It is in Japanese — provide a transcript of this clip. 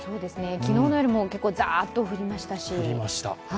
昨日の夜も結構ザーッと降りましたし。